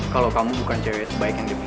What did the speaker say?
kalau kamu bukan cewek sebaik yang diberikan